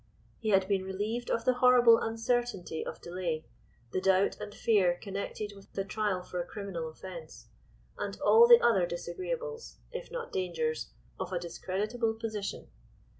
He had been relieved of the horrible uncertainty of delay—the doubt and fear connected with a trial for a criminal offence, and all the other disagreeables, if not dangers, of a discreditable position.